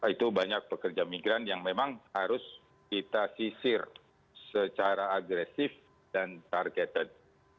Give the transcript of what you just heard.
itu banyak pekerja migran yang memang harus kita sisir secara agresif dan targeted